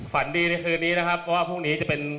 ฝันดีในคืนนี้นะครับเพราะว่าพรุ่งนี้จะเป็น